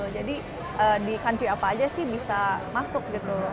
jadi di country apa aja sih bisa masuk